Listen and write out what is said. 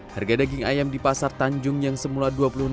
harga daging ayam di pasar tanjung yang semula dua puluh enam